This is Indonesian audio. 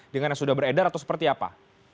dengan yang sudah beredar atau seperti apa